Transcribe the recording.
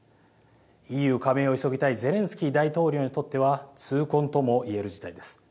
ＥＵ加盟を急ぎたいゼレンスキー大統領にとっては痛恨とも言える事態です。